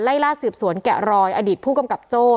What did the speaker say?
ไล่ล่าสืบสวนแกะรอยอดีตผู้กำกับโจ้